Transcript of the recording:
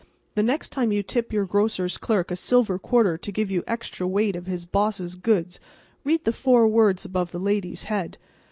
The next time you tip your grocer's clerk a silver quarter to give you extra weight of his boss's goods read the four words above the lady's head.